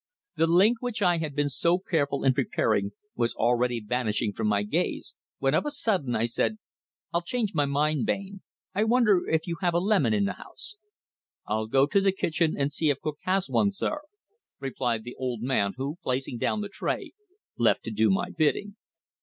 The link which I had been so careful in preparing was already vanishing from my gaze, when of a sudden I said: "I'll change my mind, Bain. I wonder if you have a lemon in the house?" "I'll go to the kitchen and see if cook has one, sir," replied the old man, who, placing down the tray, left to do my bidding.